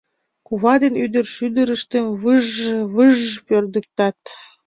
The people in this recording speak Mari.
Кува ден ӱдыр шӱдырыштым выж-ж, выж-ж пӧрдыктат.